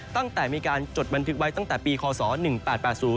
ตั้งแต่มีการจดบันทึกไว้ตั้งแต่ปีคศ๑๘๘๐